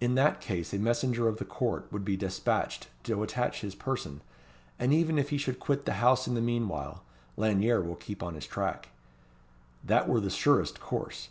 In that case a messenger of the Court would be despatched to attach his person; and even if he should quit the house in the meanwhile, Lanyere will keep on his track. That were the surest course.